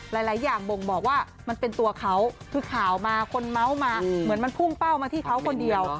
หลายอย่างบ่งบอกว่ามันเป็นตัวเขาคือข่าวมาคนเมาส์มาเหมือนมันพุ่งเป้ามาที่เขาคนเดียว